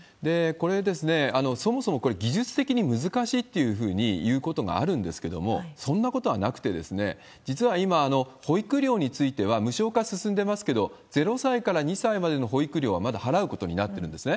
これ、そもそもこれ、技術的に難しいっていうふうにいうことがあるんですけれども、そんなことはなくて、実は今、保育料については無償化進んでますけど、０歳から２歳までの保育料はまだ払うことになってるんですね。